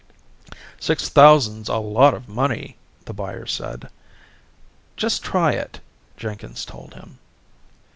"Six thousand's a lot of money," the buyer said. "Just try it," Jenkins told him.